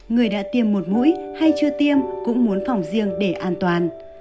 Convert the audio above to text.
người đã tiêm một mũi hay chưa tiêm cũng muốn phòng riêng để an toàn